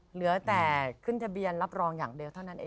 เหลือแต่ขึ้นทะเบียนรับรองอย่างเดียวเท่านั้นเอง